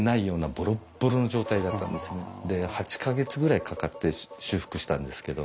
で８か月ぐらいかかって修復したんですけど。